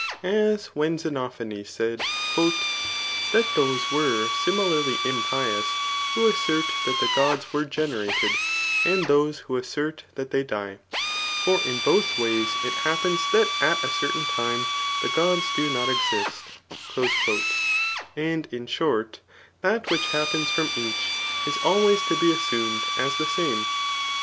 As when Xenophanes said, *' That. those were similarly impbns, who assert that the gods were generated, zsA diose who assert that they die ; for in both ways it hap pens that at a certain time the gods do not exist/ ^ And in short, that which happens from each^ is always to be assmned as the same.